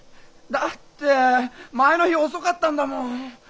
だって前の日遅かったんだもん。